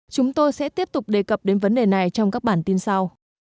chúng tôi sẽ tiếp tục đề cập đến vấn đề này trong các bản tin sau